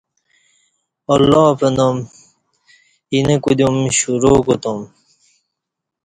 اللہ پنام اینہ کودیوم شروع کوتوم